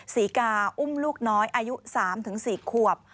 ศรีกาอุ้มลูกน้อยอายุ๓๔ขวบ